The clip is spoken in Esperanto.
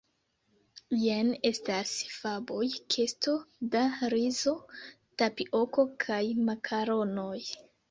Jen estas faboj, kesto da rizo, tapioko kaj makaronoj.